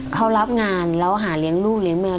เขารับงานแล้วหาเลี้ยงลูกเลี้ยงเมีย